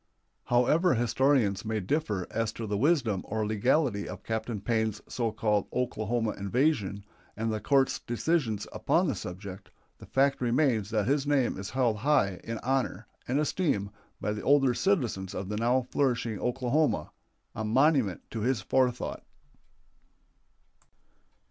However historians may differ as to the wisdom or legality of Captain Payne's so called Oklahoma invasion and the court's decisions upon the subject, the fact remains that his name is held high in honor and esteem by the older citizens of the now flourishing Oklahoma a monument to his forethought.